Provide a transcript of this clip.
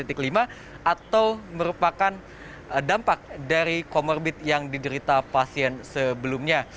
dan dampak dari komorbit yang diderita pasien sebelumnya